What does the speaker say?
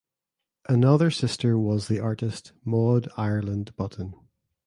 Another sister was the artist Maud Ireland Button.